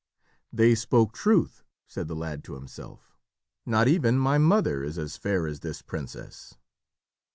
"They spoke truth!" said the lad to himself. "Not even my mother is as fair as this princess."